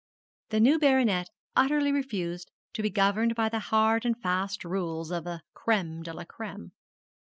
The new baronet utterly refused to be governed by the hard and fast rules of the 'Crême de la Crême.'